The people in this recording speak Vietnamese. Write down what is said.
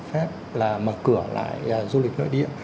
phép là mở cửa lại du lịch nội địa